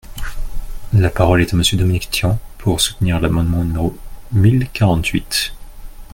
La parole est à Monsieur Dominique Tian, pour soutenir l’amendement numéro mille quarante-huit.